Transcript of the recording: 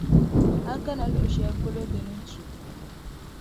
A kana luɣʼ shɛli polo di ni tu.